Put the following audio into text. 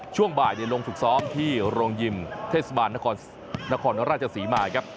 ช่วงบ่ายลงฝึกซ้อมที่โรงยิมเทศบาลนครราชศรีมาครับ